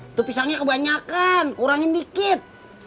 itu pisangnya kebanyakan kurangin dikit